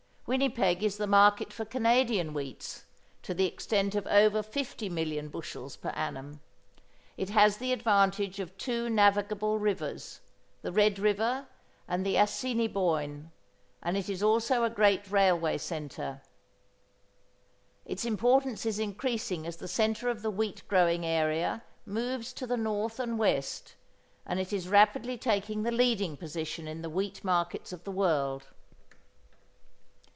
Winnipeg is the market for Canadian wheats, to the extent of over 50 million bushels per annum. It has the advantage of two navigable rivers, the Red River and the Assiniboine, and it is also a great railway centre. Its importance is increasing as the centre of the wheat growing area moves to the north and west, and it is rapidly taking the leading position in the wheat markets of the world.